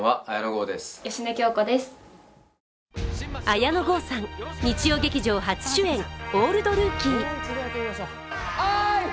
綾野剛さん、日曜劇場初主演「オールドルーキー」。